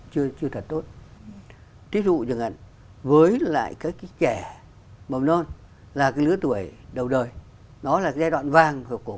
chưa thật tốt với lại các cái trẻ màu non là cái lứa tuổi đầu đời nó là giai đoạn vàng của